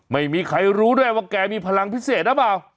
ไม่มีใครรู้ด้วยว่าแกมีพลังพิเศษหรือเปล่า